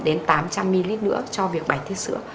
đến tám trăm linh ml nữa cho việc bánh thuyết sữa